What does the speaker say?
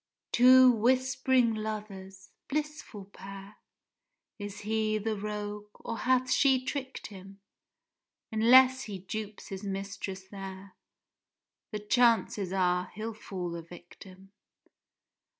Two whisp'ring lovers—blissful pair! Is he the rogue? or hath she trick'd him? Unless he dupes his mistress there, The chances are, he'll fall a victim.